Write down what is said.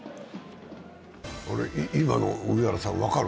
今の上原さん、分かる？